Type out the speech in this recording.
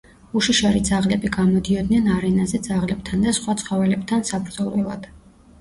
უშიშარი ძაღლები გამოდიოდნენ არენაზე ძაღლებთან და სხვა ცხოველებთან საბრძოლველად.